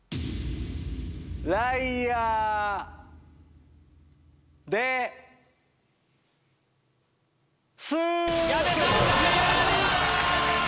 ライアーです！